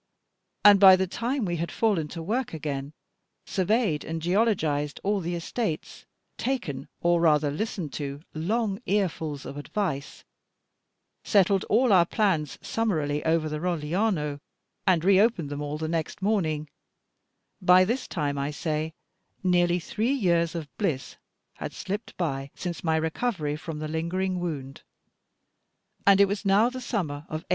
and by the time we had fallen to work again, surveyed and geologised all the estates, taken, or rather listened to, long earfuls of advice, settled all our plans summarily over the Rogliano, and reopened them all the next morning, by this time, I say, nearly three years of bliss had slipped by, since my recovery from the lingering wound; and it was now the summer of 1833.